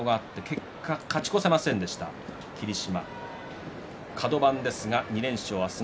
結果、勝ち越せませんでした霧島。